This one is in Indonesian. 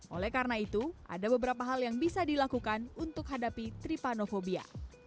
oleh karena itu ada beberapa hal yang bisa dilakukan untuk hadapi tripanofobia